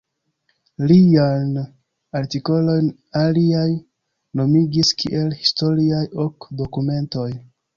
Liajn artikolojn aliaj nomigis kiel Historiaj Ok Dokumentoj.